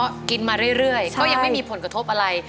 ก็กินมาเรื่อยก็ยังไม่มีผลกระทบอะไร